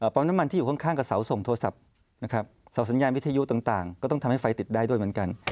ปั๊มน้ำมันที่อยู่ข้างกับเสาส่งโทรศัพท์นะครับเสาสัญญาณวิทยุต่างก็ต้องทำให้ไฟติดได้ด้วยเหมือนกัน